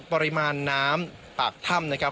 ปริมาณน้ำปากถ้ำนะครับ